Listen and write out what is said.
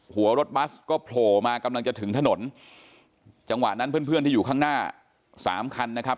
หัวรถบัสก็โผล่มากำลังจะถึงถนนจังหวะนั้นเพื่อนเพื่อนที่อยู่ข้างหน้าสามคันนะครับ